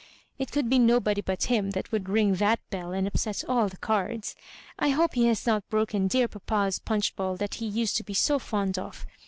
" It could be nobody but him that would ring that bell and upset an the cards. I hope he has not broken dear papa's punch bowl that he used to be so fond of.